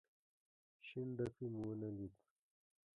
شين ډکی مو ونه ليد.